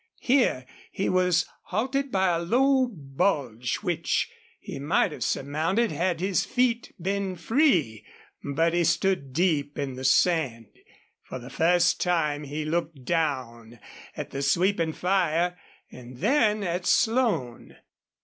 Here he was halted by a low bulge, which he might have surmounted had his feet been free. But he stood deep in the sand. For the first time he looked down at the sweeping fire, and then at Slone.